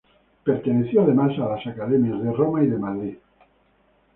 Perteneció además a Academias de Roma y de Madrid.